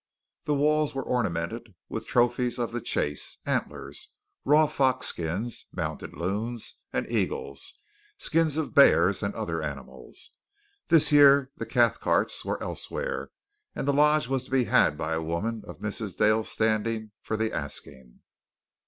The walls were ornamented with trophies of the chase antlers, raw fox skins, mounted loons and eagles, skins of bears and other animals. This year the Cathcarts were elsewhere, and the lodge was to be had by a woman of Mrs. Dale's standing for the asking.